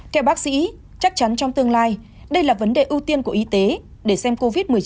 theo bác sĩ chắc chắn trong tương lai đây là vấn đề ưu tiên của y tế để xem covid một mươi chín